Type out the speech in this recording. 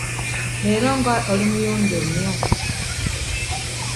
Leero nga oli muyonjo nnyo.